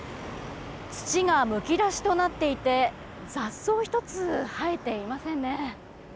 土がむき出しとなっていて雑草ひとつ生えていませんね。